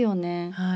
はい。